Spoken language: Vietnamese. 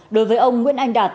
đối với ông nguyễn anh đạt